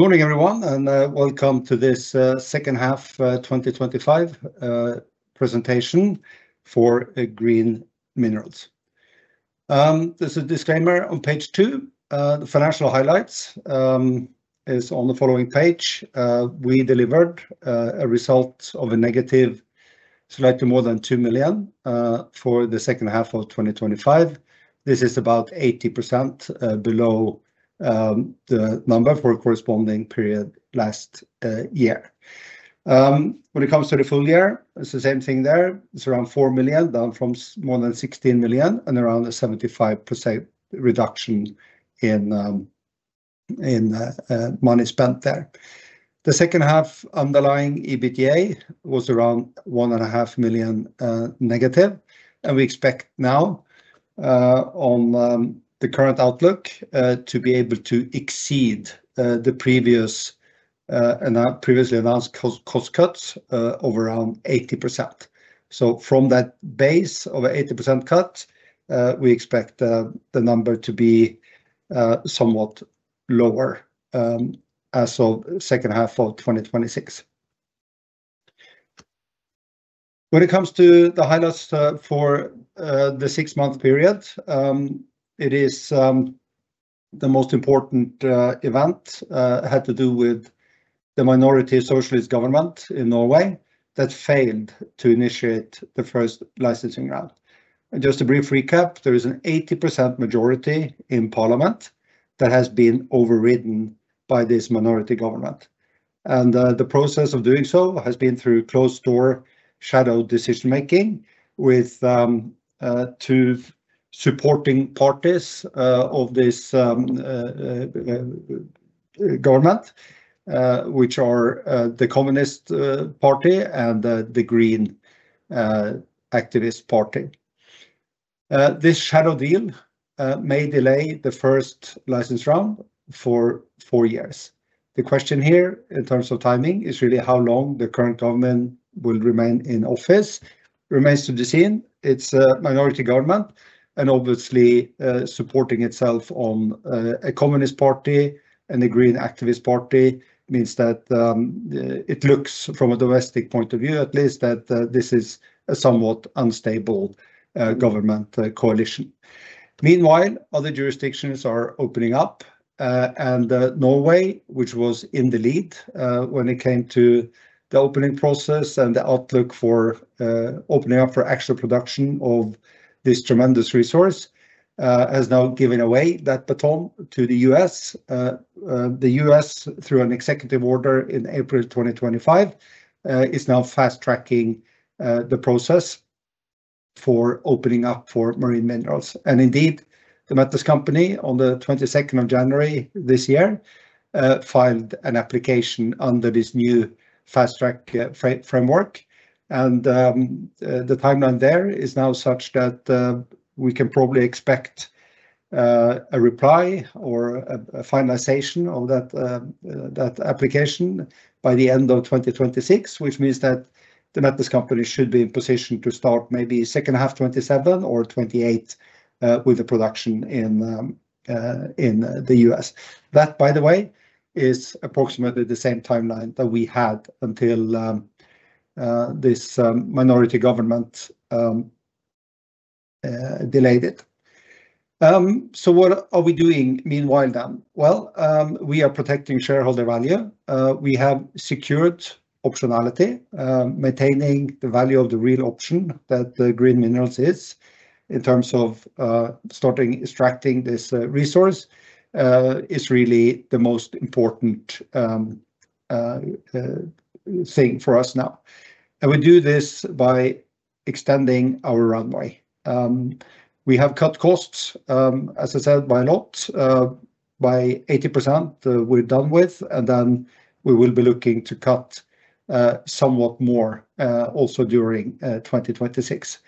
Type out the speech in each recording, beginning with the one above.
Good morning everyone, and welcome to this second half 2025 presentation for Green Minerals. There's a disclaimer on page 2. The financial highlights is on the following page. We delivered a result of a negative slightly more than 2 million for the second half of 2025. This is about 80% below the number for a corresponding period last year. When it comes to the full year, it's the same thing there. It's around 4 million down from more than 16 million, and around a 75% reduction in money spent there. The second half underlying EBITDA was around 1.5 million negative, and we expect now on the current outlook to be able to exceed the previous and previously announced cost cuts of around 80%. So from that base of a 80% cut, we expect the number to be somewhat lower as of second half of 2026. When it comes to the highlights for the 6-month period, the most important event had to do with the minority socialist government in Norway that failed to initiate the first licensing round. And just a brief recap, there is an 80% majority in parliament that has been overridden by this minority government. And the process of doing so has been through closed-door shadow decision-making with 2 supporting parties of this government, which are the Communist Party and the Green Activist Party. This shadow deal may delay the first license round for 4 years. The question here, in terms of timing, is really how long the current government will remain in office. Remains to be seen. It's a minority government and obviously, supporting itself on a Communist Party and a Green Activist Party means that it looks from a domestic point of view, at least, that this is a somewhat unstable government coalition. Meanwhile, other jurisdictions are opening up, and Norway, which was in the lead when it came to the opening process and the outlook for opening up for actual production of this tremendous resource, has now given away that baton to the U.S. The U.S., through an executive order in April 2025, is now fast-tracking the process for opening up for marine minerals. And indeed, The Metals Company, on the 22nd of January this year, filed an application under this new fast-track framework, and the timeline there is now such that we can probably expect a reply or a finalization of that application by the end of 2026, which means that The Metals Company should be in position to start maybe second half 2027 or 2028, with the production in the US. That, by the way, is approximately the same timeline that we had until this minority government delayed it. So what are we doing meanwhile then? Well, we are protecting shareholder value. We have secured optionality, maintaining the value of the real option that the Green Minerals is in terms of starting extracting this resource, is really the most important thing for us now. And we do this by extending our runway. We have cut costs, as I said, by a lot. By 80%, we're done with, and then we will be looking to cut somewhat more also during 2026.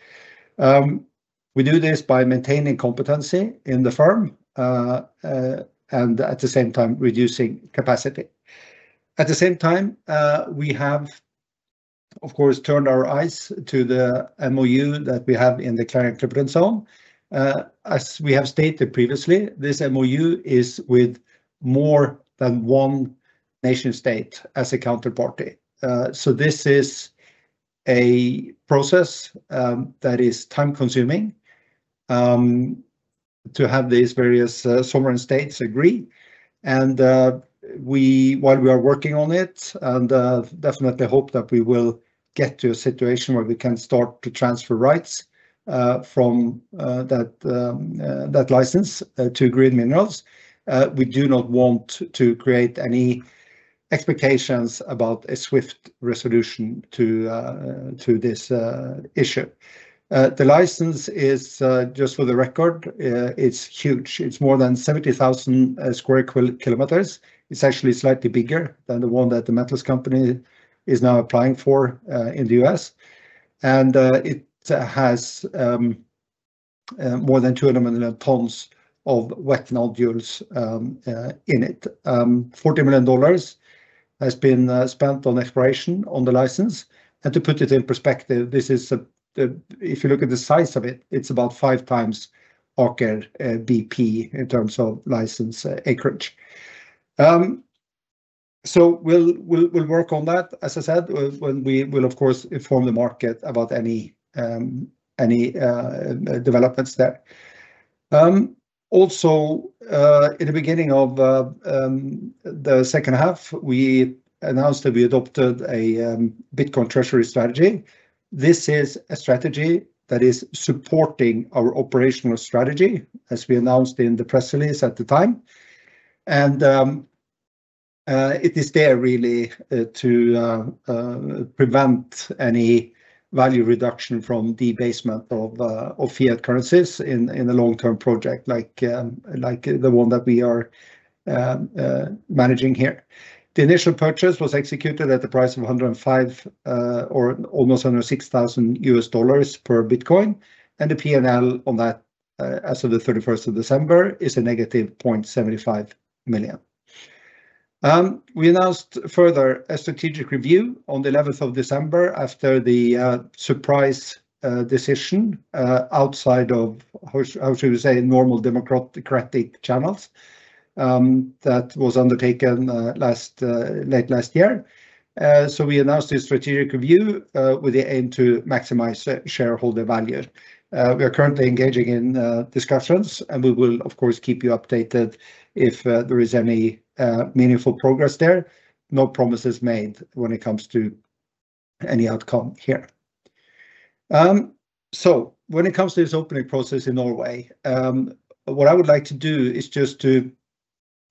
We do this by maintaining competency in the firm, and at the same time reducing capacity. At the same time, we have, of course, turned our eyes to the MOU that we have in the Clarion-Clipperton Zone. As we have stated previously, this MOU is with more than one nation-state as a counterparty. So this is a process that is time-consuming to have these various sovereign states agree. While we are working on it and definitely hope that we will get to a situation where we can start to transfer rights from that license to Green Minerals. We do not want to create any expectations about a swift resolution to this issue. The license is, just for the record, huge. It's more than 70,000 sq km. It's actually slightly bigger than the one that The Metals Company is now applying for, in the US. It has more than 200 million tons of wet nodules in it. $40 million has been spent on exploration on the license. To put it in perspective, this is if you look at the size of it, it's about five times Aker BP in terms of license acreage. So we'll work on that, as I said, when we, of course, will inform the market about any developments there. Also, in the beginning of the second half, we announced that we adopted a Bitcoin treasury strategy. This is a strategy that is supporting our operational strategy, as we announced in the press release at the time. It is there really to prevent any value reduction from debasement of fiat currencies in a long-term project like the one that we are managing here. The initial purchase was executed at the price of $105,000 or almost $106,000 per Bitcoin, and the P&L on that, as of the 31st of December is negative 0.75 million. We announced further a strategic review on the 11th of December after the surprise decision, outside of, how should we say, normal democratic channels, that was undertaken late last year. So we announced this strategic review, with the aim to maximize shareholder value. We are currently engaging in discussions, and we will, of course, keep you updated if there is any meaningful progress there. No promises made when it comes to any outcome here. So when it comes to this opening process in Norway, what I would like to do is just to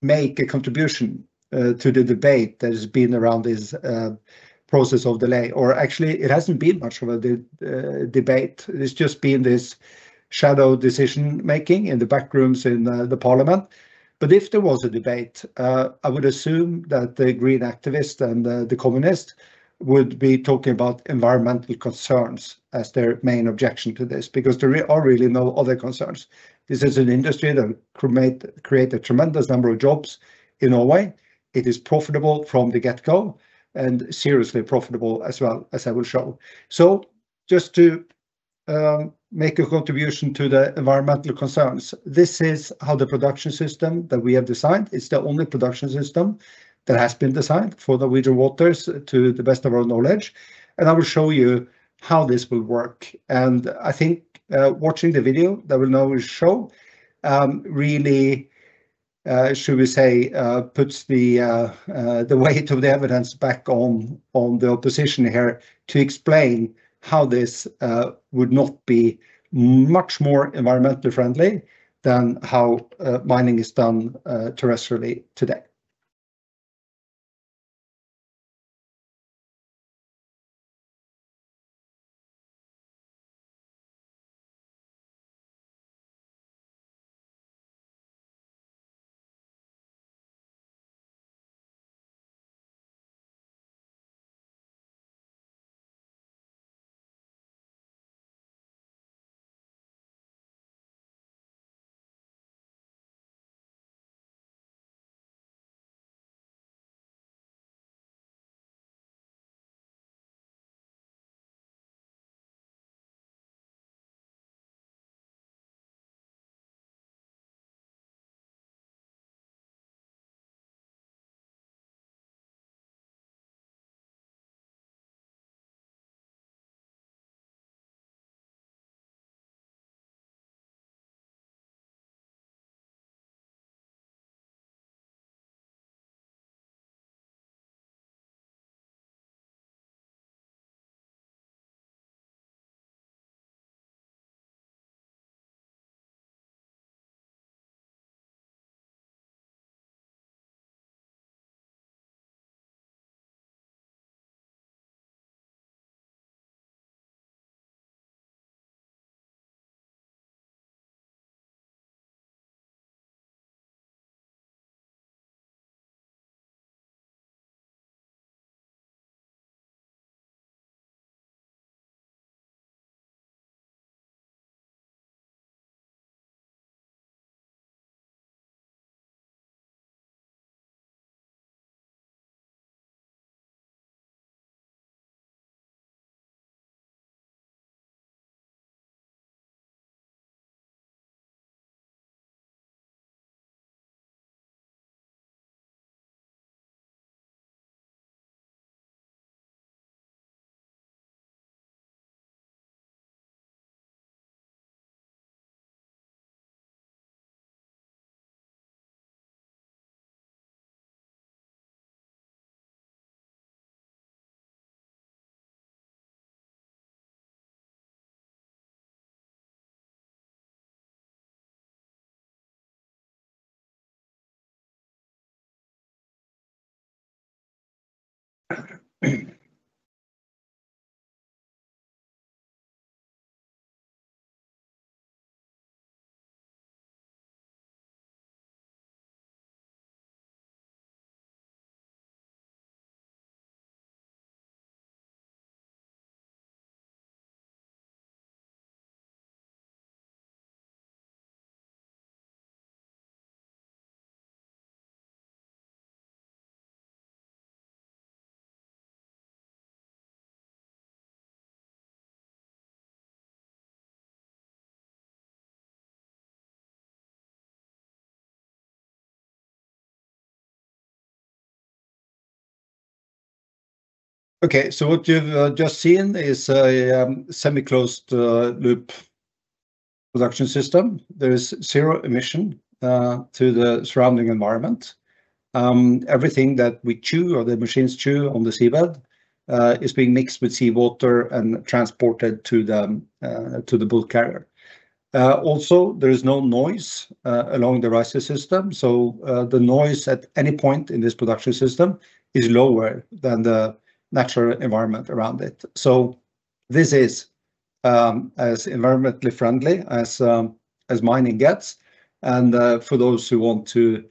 make a contribution to the debate that has been around this process of delay, or actually it hasn't been much of a debate. It's just been this shadow decision-making in the backrooms in the parliament. But if there was a debate, I would assume that the Green Activist and the Communist would be talking about environmental concerns as their main objection to this because there are really no other concerns. This is an industry that create a tremendous number of jobs in Norway. It is profitable from the get-go and seriously profitable as well as I will show. So just to make a contribution to the environmental concerns, this is how the production system that we have designed. It's the only production system that has been designed for the wider waters to the best of our knowledge. I will show you how this will work. I think, watching the video that will now show, really, should we say, puts the weight of the evidence back on the opposition here to explain how this would not be much more environmentally friendly than how mining is done terrestrially today. Okay, so what you've just seen is a semi-closed loop production system. There is zero emission to the surrounding environment. Everything that we chew or the machines chew on the seabed is being mixed with seawater and transported to the bulk carrier. Also, there is no noise along the riser system, so the noise at any point in this production system is lower than the natural environment around it. So this is as environmentally friendly as mining gets. And, for those who want to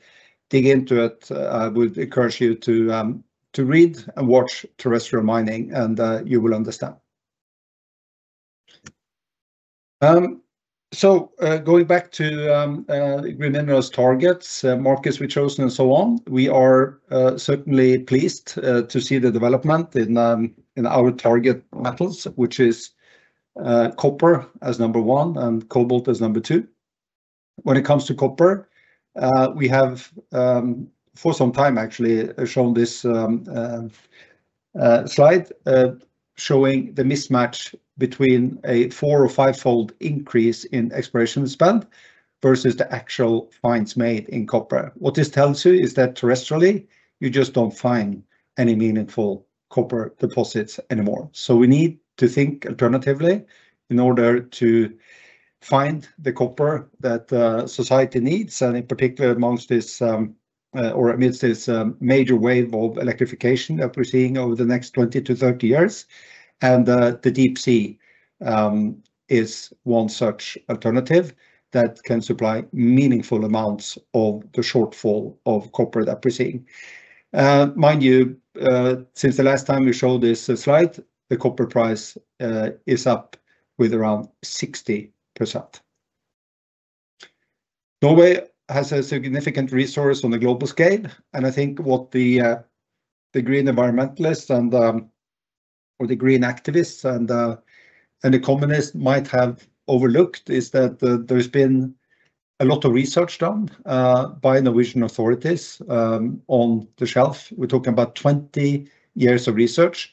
dig into it, I would encourage you to read and watch terrestrial mining, and you will understand. So, going back to Green Minerals targets, markets we've chosen, and so on, we are certainly pleased to see the development in our target metals, which is copper as number one and cobalt as number two. When it comes to copper, we have for some time actually shown this slide, showing the mismatch between a 4- or 5-fold increase in exploration spend versus the actual finds made in copper. What this tells you is that terrestrially, you just don't find any meaningful copper deposits anymore. So we need to think alternatively in order to find the copper that society needs, and in particular amongst this, or amidst this, major wave of electrification that we're seeing over the next 20-30 years. The deep sea is one such alternative that can supply meaningful amounts of the shortfall of copper that we're seeing. Mind you, since the last time we showed this slide, the copper price is up with around 60%. Norway has a significant resource on a global scale, and I think what the Green Environmentalist and, or the Green Activist and the Communist might have overlooked is that there's been a lot of research done by Norwegian authorities on the shelf. We're talking about 20 years of research.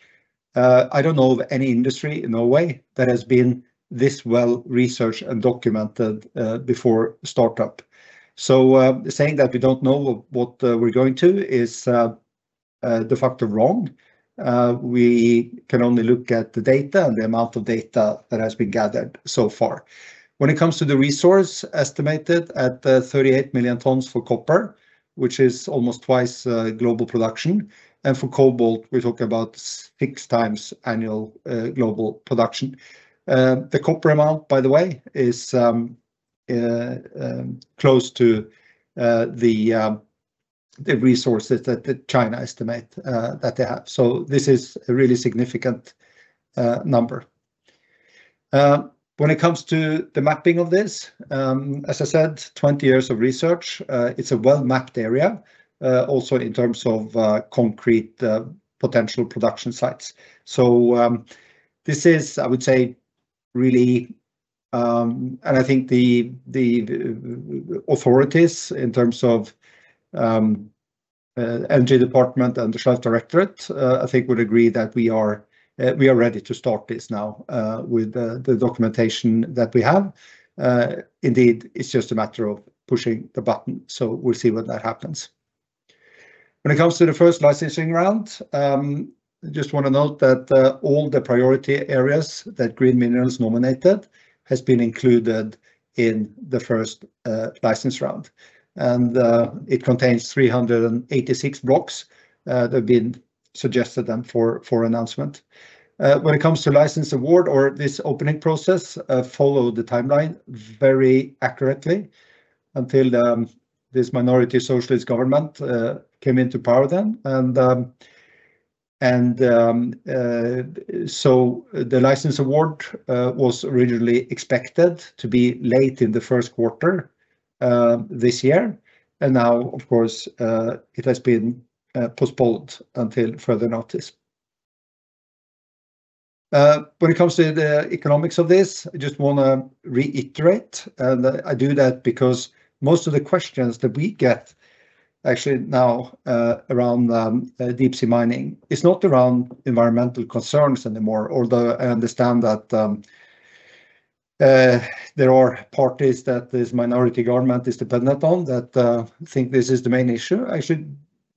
I don't know of any industry in Norway that has been this well researched and documented before startup. So, saying that we don't know what we're going to is de facto wrong. We can only look at the data and the amount of data that has been gathered so far. When it comes to the resource estimated at 38 million tons for copper, which is almost twice global production, and for cobalt, we're talking about six times annual global production. The copper amount, by the way, is close to the resources that China estimate that they have. So this is a really significant number. When it comes to the mapping of this, as I said, 20 years of research, it's a well-mapped area, also in terms of concrete potential production sites. So, this is, I would say, really, and I think the authorities in terms of Energy Department and the Shelf Directorate. I think would agree that we are ready to start this now, with the documentation that we have. Indeed, it's just a matter of pushing the button, so we'll see what that happens. When it comes to the first licensing round, I just want to note that all the priority areas that Green Minerals nominated have been included in the first license round. And it contains 386 blocks that have been suggested then for announcement. When it comes to license award or this opening process, followed the timeline very accurately until this minority socialist government came into power then. So the license award was originally expected to be late in the first quarter this year, and now, of course, it has been postponed until further notice. When it comes to the economics of this, I just want to reiterate, and I do that because most of the questions that we get actually now around deep sea mining, it's not around environmental concerns anymore, although I understand that there are parties that this minority government is dependent on that think this is the main issue. Actually,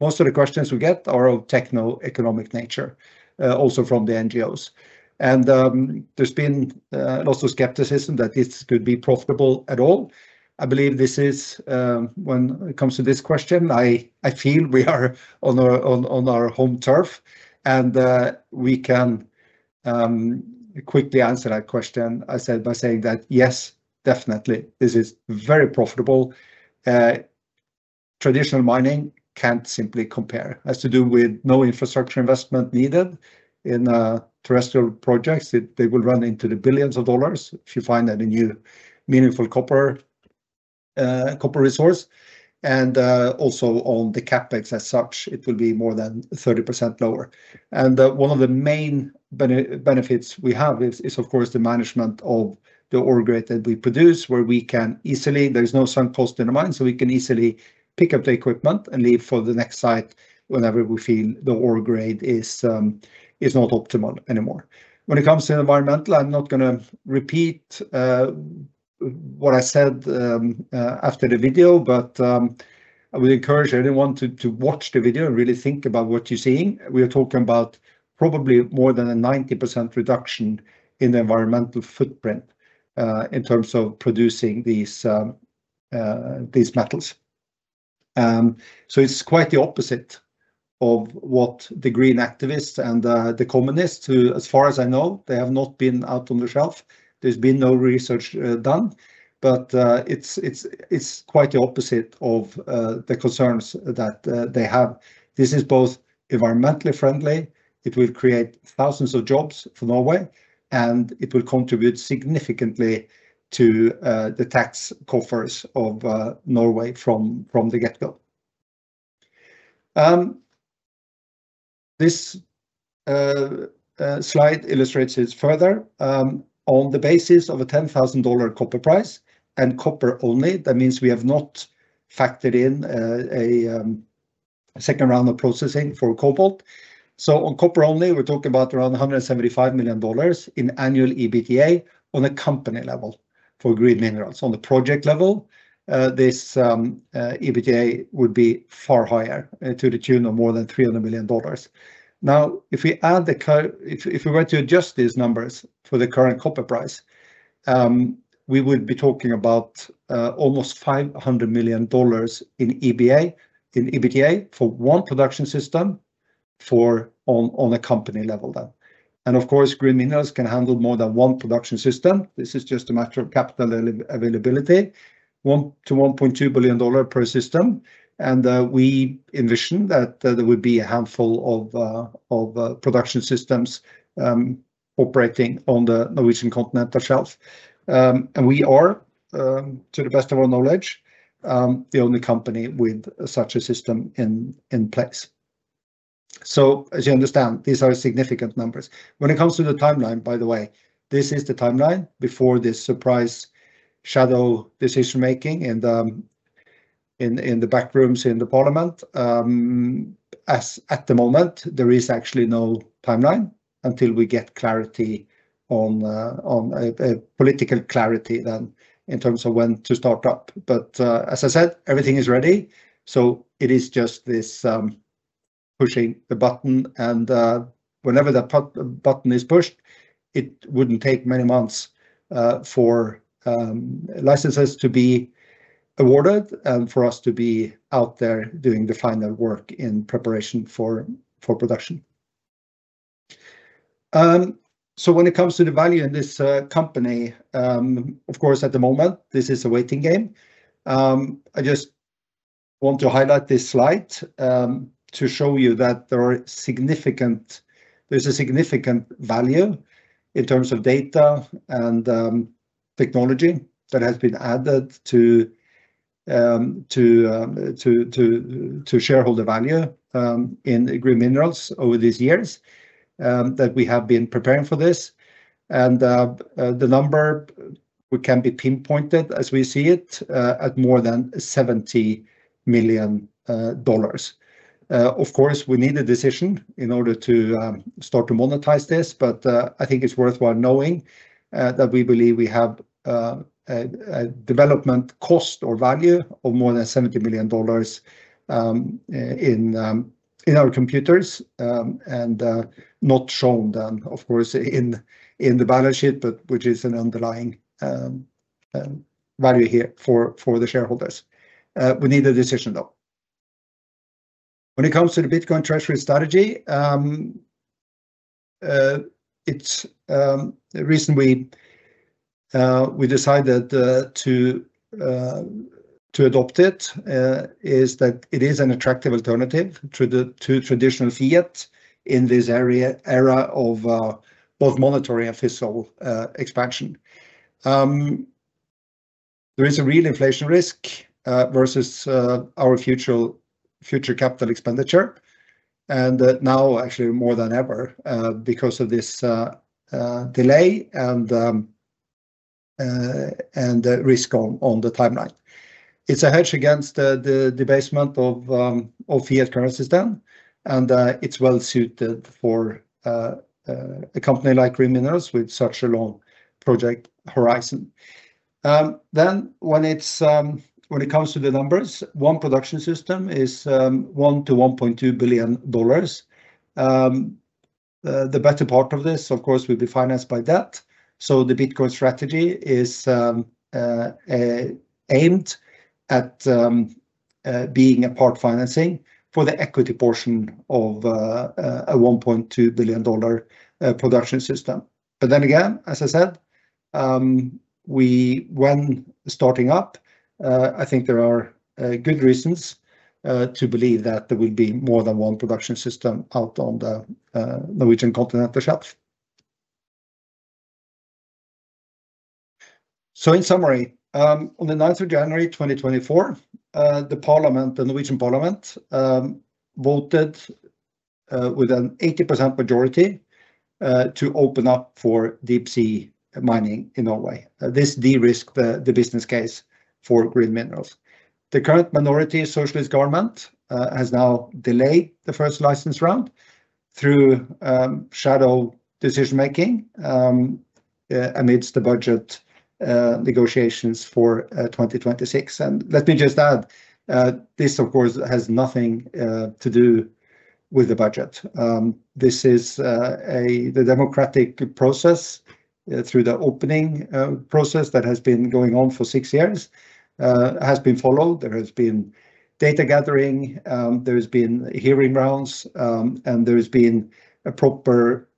most of the questions we get are of techno-economic nature, also from the NGOs. There's been lots of skepticism that this could be profitable at all. I believe this is, when it comes to this question, I feel we are on our home turf, and we can quickly answer that question, I said, by saying that yes, definitely, this is very profitable. Traditional mining can't simply compare. It has to do with no infrastructure investment needed in terrestrial projects. They will run into the billions of dollars if you find any new meaningful copper resource. And also on the CapEx as such, it will be more than 30% lower. And one of the main benefits we have is, of course, the management of the ore grade that we produce, where we can easily, there's no sunk cost in the mine, so we can easily pick up the equipment and leave for the next site whenever we feel the ore grade is not optimal anymore. When it comes to environmental, I'm not going to repeat what I said after the video, but I would encourage anyone to watch the video and really think about what you're seeing. We are talking about probably more than a 90% reduction in the environmental footprint, in terms of producing these metals. So it's quite the opposite of what the green activists and the communists, who as far as I know, have not been out on the shelf. There's been no research done, but it's quite the opposite of the concerns that they have. This is both environmentally friendly. It will create thousands of jobs for Norway, and it will contribute significantly to the tax coffers of Norway from the get-go. This slide illustrates it further. On the basis of a $10,000 copper price and copper only, that means we have not factored in a second round of processing for cobalt. So on copper only, we're talking about around $175 million in annual EBITDA on a company level for Green Minerals. On the project level, this EBITDA would be far higher to the tune of more than $300 million. Now, if we were to adjust these numbers for the current copper price, we would be talking about almost $500 million in EBITDA for one production system on a company level then. And, of course, Green Minerals can handle more than one production system. This is just a matter of capital availability, $1 billion-$1.2 billion per system. And, we envision that there would be a handful of production systems operating on the Norwegian Continental Shelf. And we are, to the best of our knowledge, the only company with such a system in place. So as you understand, these are significant numbers. When it comes to the timeline, by the way, this is the timeline before this surprise shadow decision-making in the back rooms in the parliament. As at the moment, there is actually no timeline until we get clarity on a political clarity then in terms of when to start up. But, as I said, everything is ready. So it is just this, pushing the button, and, whenever the button is pushed, it wouldn't take many months, for, licenses to be awarded and for us to be out there doing the final work in preparation for production. So when it comes to the value in this, company, of course, at the moment, this is a waiting game. I just want to highlight this slide, to show you that there is a significant value in terms of data and technology that has been added to shareholder value in Green Minerals over these years that we have been preparing for this. The number we can pinpoint as we see it at more than $70 million. Of course, we need a decision in order to start to monetize this, but I think it's worthwhile knowing that we believe we have a development cost or value of more than $70 million in our computers, and not shown then of course in the balance sheet, but which is an underlying value here for the shareholders. We need a decision, though. When it comes to the Bitcoin treasury strategy, it's the reason we decided to adopt it, is that it is an attractive alternative to the traditional fiat in this era of both monetary and fiscal expansion. There is a real inflation risk versus our future capital expenditure, and now actually more than ever, because of this delay and the risk on the timeline. It's a hedge against the debasement of fiat currencies, and it's well suited for a company like Green Minerals with such a long project horizon. Then when it comes to the numbers, one production system is $1-$1.2 billion. The better part of this, of course, will be financed by debt. So the Bitcoin strategy is aimed at being a part financing for the equity portion of a $1.2 billion production system. But then again, as I said, we, when starting up, I think there are good reasons to believe that there will be more than one production system out on the Norwegian Continental Shelf. So in summary, on the 9th of January 2024, the parliament, the Norwegian Parliament, voted with an 80% majority to open up for deep sea mining in Norway. This de-risked the business case for Green Minerals. The current minority socialist government has now delayed the first license round through shadow decision-making amidst the budget negotiations for 2026. And let me just add, this, of course, has nothing to do with the budget. This is the democratic process through the opening process that has been going on for six years has been followed. There has been data gathering, there has been hearing rounds, and there has been a proper,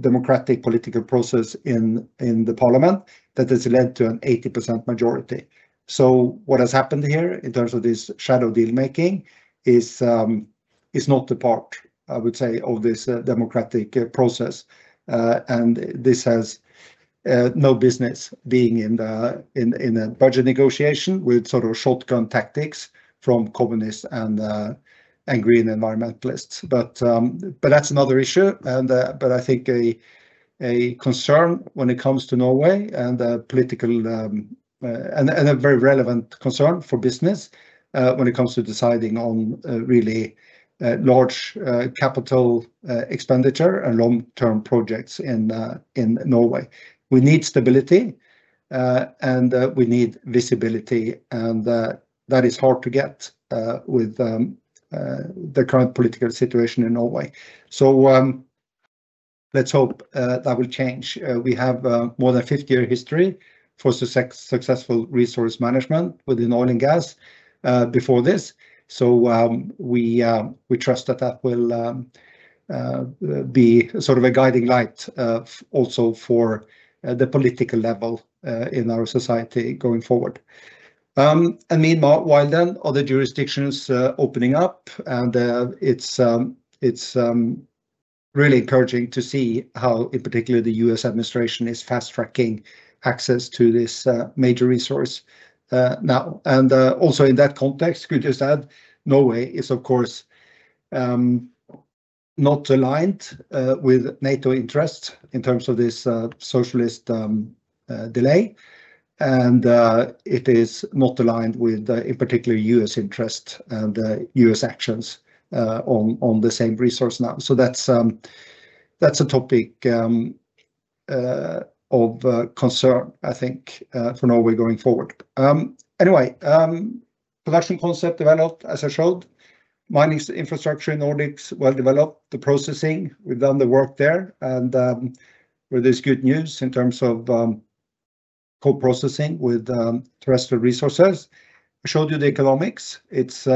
democratic political process in the parliament that has led to an 80% majority. So what has happened here in terms of this shadow deal-making is not a part, I would say, of this democratic process. This has no business being in a budget negotiation with sort of shotgun tactics from communists and green environmentalists. But that's another issue. But I think a concern when it comes to Norway and a political and a very relevant concern for business, when it comes to deciding on really large capital expenditure and long-term projects in Norway. We need stability, and we need visibility, and that is hard to get with the current political situation in Norway. So let's hope that will change. We have more than 50-year history for successful resource management within oil and gas before this. So, we trust that will be sort of a guiding light also for the political level in our society going forward. And meanwhile, other jurisdictions opening up, and it's really encouraging to see how, in particular, the US administration is fast-tracking access to this major resource now. And also in that context, I could just add Norway is, of course, not aligned with NATO interests in terms of this socialist delay, and it is not aligned with, in particular, US interests and US actions on the same resource now. So that's a topic of concern, I think, for Norway going forward. Anyway, production concept developed, as I showed, mining infrastructure in Nordics well developed, the processing, we've done the work there, and with this good news in terms of co-processing with terrestrial resources. I showed you the economics. It's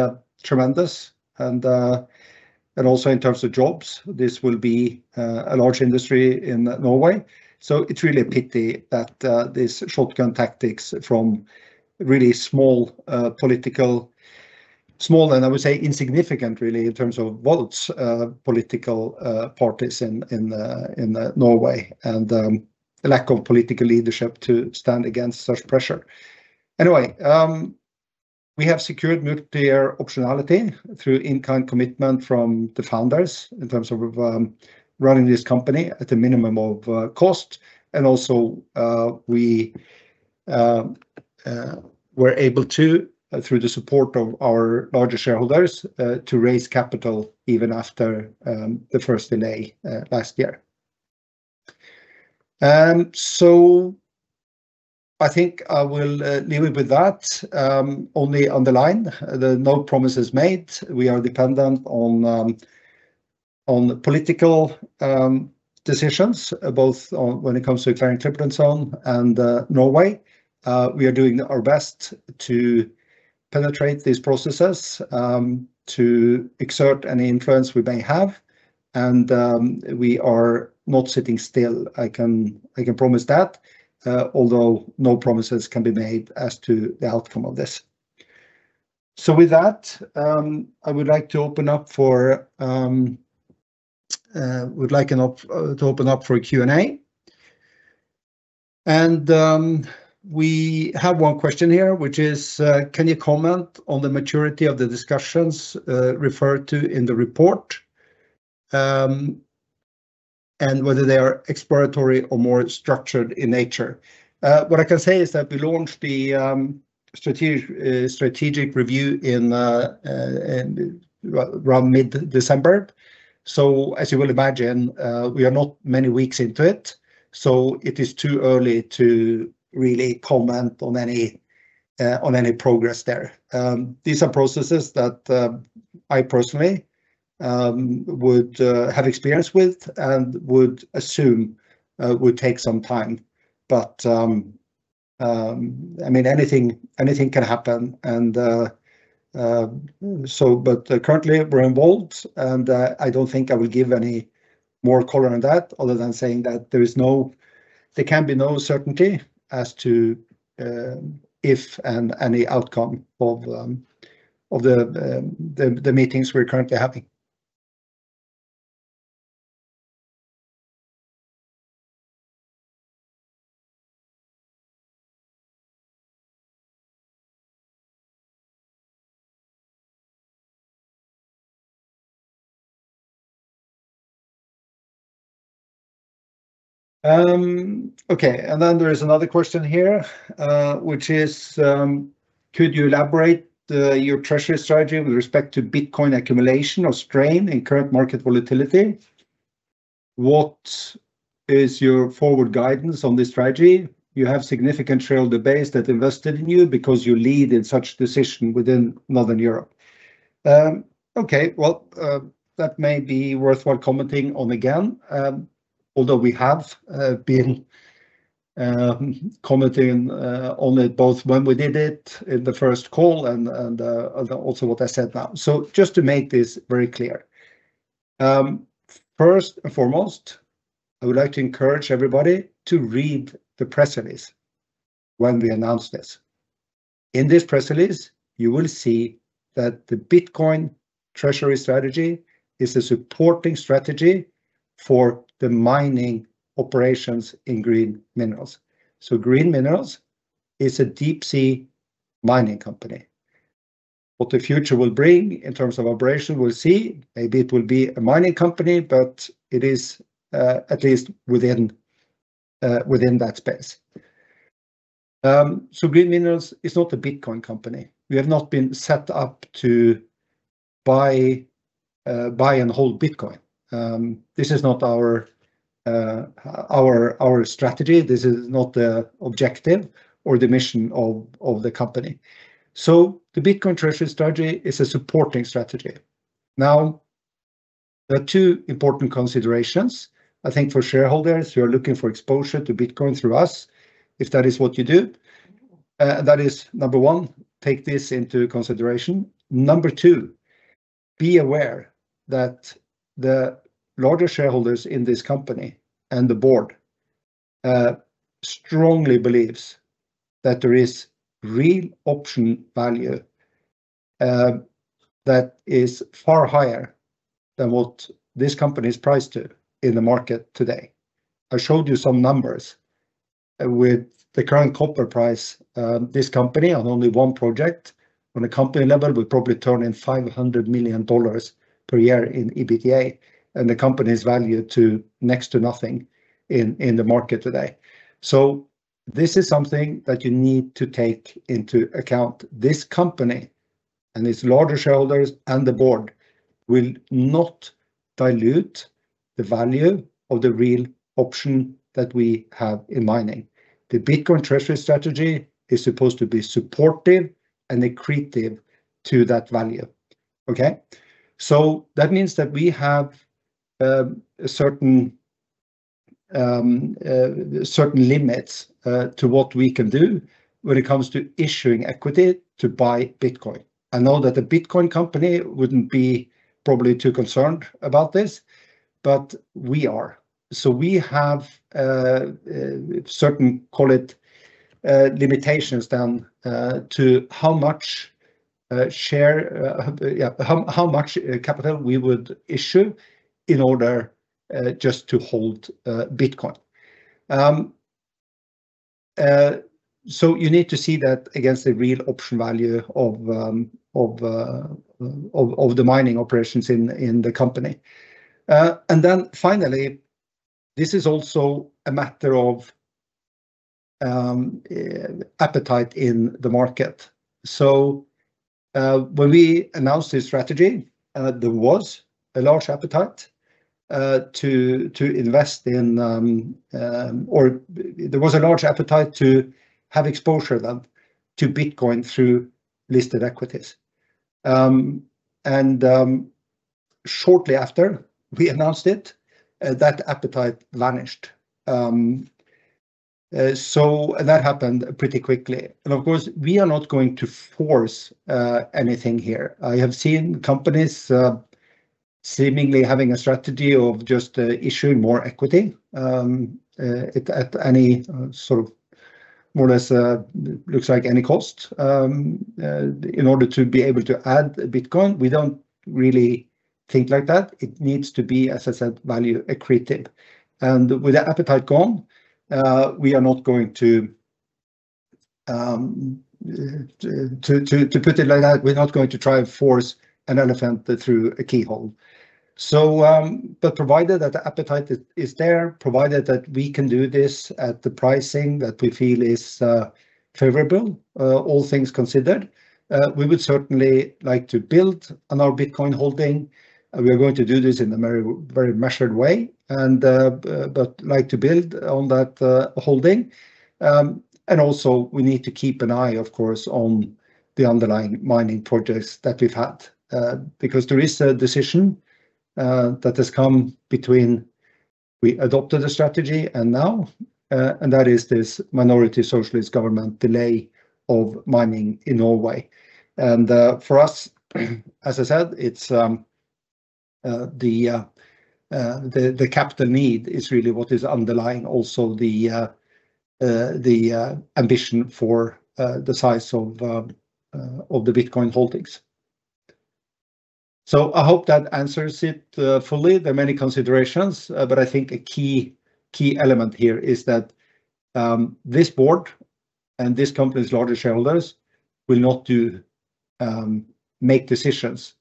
tremendous. And also in terms of jobs, this will be a large industry in Norway. So it's really a pity that these shotgun tactics from really small political small and I would say insignificant really in terms of votes political parties in Norway and the lack of political leadership to stand against such pressure. Anyway, we have secured multi-year optionality through in-kind commitment from the founders in terms of running this company at a minimum of cost and also we were able to through the support of our larger shareholders to raise capital even after the first delay last year. So I think I will leave it with that, only underline the no promises made. We are dependent on political decisions both when it comes to the Clarion-Clipperton Zone and Norway. We are doing our best to penetrate these processes, to exert any influence we may have, and we are not sitting still. I can I can promise that, although no promises can be made as to the outcome of this. So with that, I would like to open up for, would like now to open up for a Q&A. And we have one question here, which is, can you comment on the maturity of the discussions referred to in the report, and whether they are exploratory or more structured in nature? What I can say is that we launched the strategic, strategic review in around mid-December. So, as you will imagine, we are not many weeks into it, so it is too early to really comment on any progress there. These are processes that I personally would have experience with and would assume would take some time. But I mean, anything can happen, and so but currently we're involved, and I don't think I will give any more color on that other than saying that there is no, there can be no certainty as to if and any outcome of the meetings we're currently having. Okay, and then there is another question here, which is, could you elaborate on your treasury strategy with respect to Bitcoin accumulation or stance in current market volatility? What is your forward guidance on this strategy? You have significant trailblazers that invested in you because you lead in such decisions within Northern Europe. Okay, well, that may be worthwhile commenting on again, although we have been commenting on it both when we did it in the first call and also what I said now. So just to make this very clear, first and foremost, I would like to encourage everybody to read the press release when we announced this. In this press release, you will see that the Bitcoin treasury strategy is a supporting strategy for the mining operations in Green Minerals. So Green Minerals is a deep sea mining company. What the future will bring in terms of operation we'll see. Maybe it will be a mining company, but it is at least within that space. So Green Minerals is not a Bitcoin company. We have not been set up to buy and hold Bitcoin. This is not our strategy. This is not the objective or the mission of the company. So the Bitcoin treasury strategy is a supporting strategy. Now, there are two important considerations, I think, for shareholders who are looking for exposure to Bitcoin through us, if that is what you do. That is number one, take this into consideration. Number two, be aware that the larger shareholders in this company and the board strongly believes that there is real option value, that is far higher than what this company is priced to in the market today. I showed you some numbers with the current copper price, this company on only one project. On a company level, we probably turn in $500 million per year in EBITDA, and the company is valued to next to nothing in the market today. So this is something that you need to take into account. This company and its larger shareholders and the board will not dilute the value of the real option that we have in mining. The Bitcoin treasury strategy is supposed to be supportive and accretive to that value. Okay, so that means that we have certain limits to what we can do when it comes to issuing equity to buy Bitcoin. I know that a Bitcoin company wouldn't be probably too concerned about this, but we are. So we have certain, call it, limitations down to how much share, yeah, how much capital we would issue in order just to hold Bitcoin. So you need to see that against the real option value of the mining operations in the company. And then finally, this is also a matter of appetite in the market. So, when we announced this strategy, there was a large appetite to invest in, or there was a large appetite to have exposure then to Bitcoin through listed equities. And, shortly after we announced it, that appetite vanished. So that happened pretty quickly. And of course, we are not going to force anything here. I have seen companies seemingly having a strategy of just issuing more equity at any sort of more or less looks like any cost in order to be able to add Bitcoin. We don't really think like that. It needs to be, as I said, value accretive. And with the appetite gone, we are not going to put it like that. We're not going to try and force an elephant through a keyhole. So, but provided that the appetite is there, provided that we can do this at the pricing that we feel is favorable, all things considered, we would certainly like to build on our Bitcoin holding. We are going to do this in a very very measured way and, but like to build on that holding. And also we need to keep an eye, of course, on the underlying mining projects that we've had, because there is a decision that has come between we adopted the strategy and now, and that is this minority socialist government delay of mining in Norway. And, for us, as I said, it's the capital need is really what is underlying also the ambition for the size of the Bitcoin holdings. So I hope that answers it fully. There are many considerations, but I think a key element here is that this board and this company's larger shareholders will not make decisions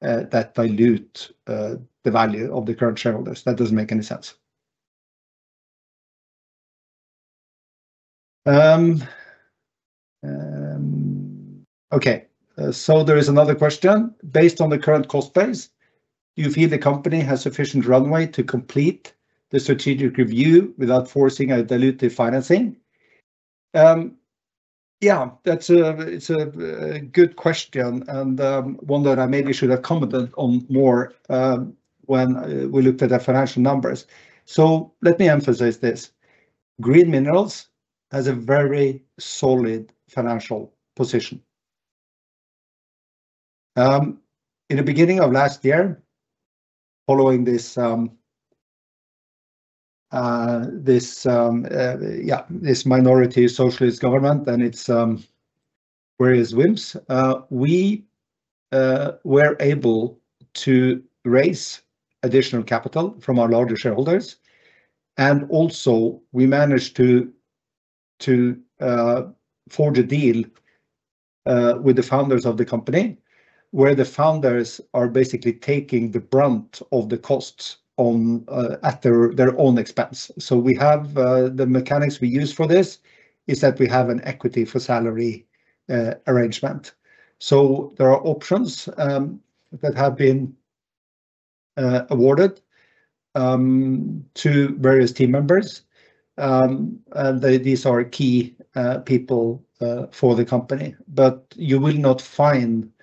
that dilute the value of the current shareholders. That doesn't make any sense. Okay, so there is another question. Based on the current cost base, do you feel the company has sufficient runway to complete the strategic review without forcing a diluted financing? Yeah, that's a good question and one that I maybe should have commented on more when we looked at the financial numbers. So let me emphasize this. Green Minerals has a very solid financial position. In the beginning of last year, following this, yeah, this minority socialist government and it's, where is whims? We were able to raise additional capital from our larger shareholders and also we managed to forge a deal with the founders of the company where the founders are basically taking the brunt of the costs on at their own expense. So we have the mechanics we use for this is that we have an equity for salary arrangement. So there are options that have been awarded to various team members, and these are key people for the company. But you will not find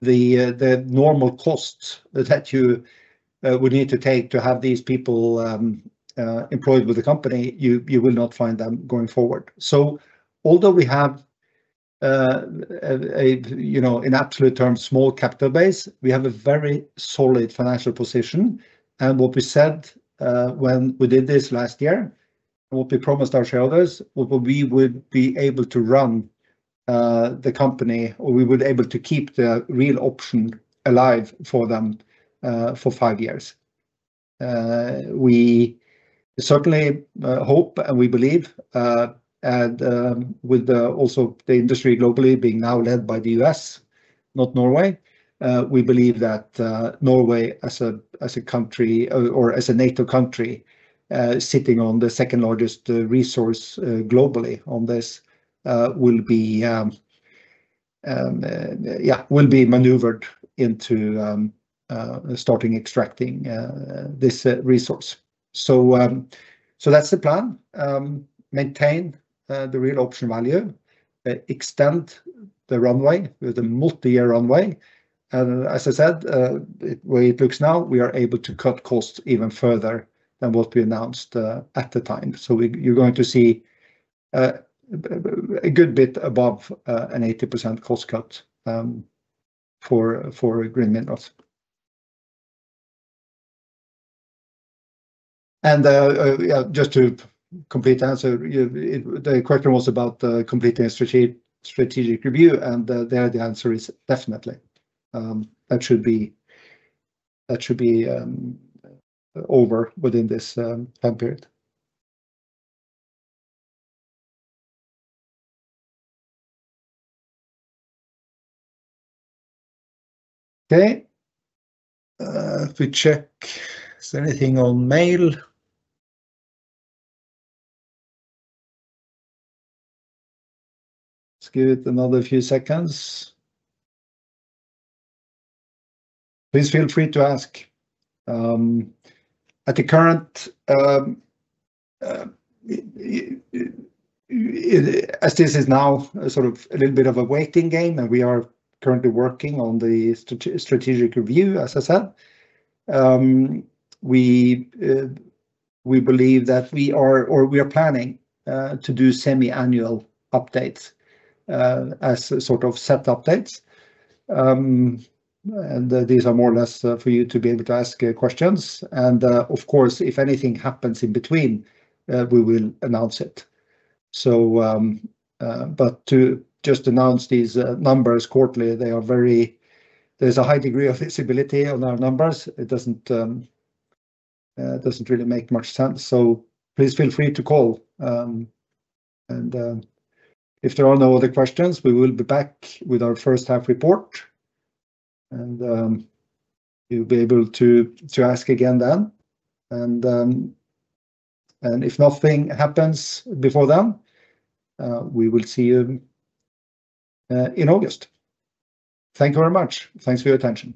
the normal costs that you would need to take to have these people employed with the company. You will not find them going forward. So although we have a you know in absolute terms small capital base, we have a very solid financial position and what we said when we did this last year and what we promised our shareholders was that we would be able to run the company or we would be able to keep the real option alive for them for five years. We certainly hope and we believe and with the also the industry globally being now led by the U.S., not Norway, we believe that Norway as a as a country or as a NATO country sitting on the second largest resource globally on this will be yeah will be maneuvered into starting extracting this resource. So that's the plan, maintain the real option value, extend the runway with a multi-year runway and as I said, it where it looks now we are able to cut costs even further than what we announced at the time. So we're going to see a good bit above an 80% cost cut for Green Minerals. And yeah, just to complete the answer, the question was about completing a strategic review and there the answer is definitely that that should be over within this time period. Okay, if we check, is there anything online? Let's give it another few seconds. Please feel free to ask. At the current, as this is now a sort of a little bit of a waiting game and we are currently working on the strategic review, as I said, we believe that we are or we are planning to do semi-annual updates, as sort of set updates, and these are more or less for you to be able to ask questions and, of course, if anything happens in between, we will announce it. So, but to just announce these numbers quarterly, they're very—there's a high degree of visibility on our numbers. It doesn't really make much sense. So please feel free to call, and if there are no other questions, we will be back with our first half report and you'll be able to ask again then and if nothing happens before then, we will see you in August. Thank you very much. Thanks for your attention.